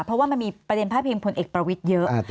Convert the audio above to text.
เพราะว่ามันมีประเด็นพาดพิงพลเอกประวิทย์เยอะ